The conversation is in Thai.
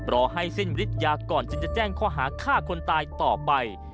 รอให้สิ้นฤทธิยาก่อนจึงจะแจ้งข้อหาฆ่าคนตายต่อไป